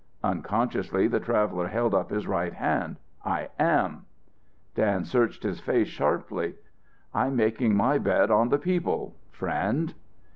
Unconsciously the traveller held up his right hand. "I am!" Dan searched his face sharply. Smith nodded. "I'm making my bet on the people friend!"